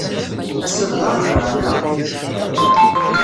Ass-a d laṛebɛa, naɣ?